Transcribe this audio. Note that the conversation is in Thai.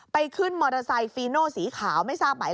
ขึ้นมอเตอร์ไซค์ฟีโนสีขาวไม่ทราบหมาย